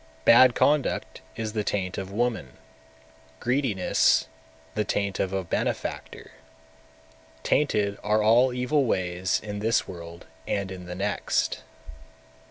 242. Bad conduct is the taint of woman, greediness the taint of a benefactor; tainted are all evil ways in this world and in the next.